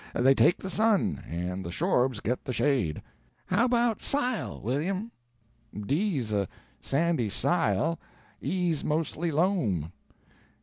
They take the sun, and the Shorbs get the shade." "How about sile, William?" "D's a sandy sile, E's mostly loom."